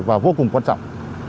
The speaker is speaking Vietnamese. và vô cùng quan trọng